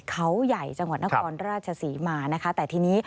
เขาใหญ่จังหวัดนครราชศรีมานะคะแต่ทีนี้